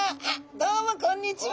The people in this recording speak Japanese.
どうもこんにちは！